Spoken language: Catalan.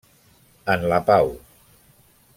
En la pau: